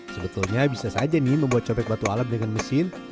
sebetulnya bisa saja nih membuat cobek batu alam dengan mesin